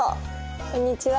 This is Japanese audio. こんにちは。